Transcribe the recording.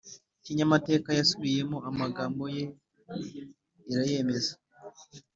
kinyamateka yasubiyemo amagambo ye, irayemeza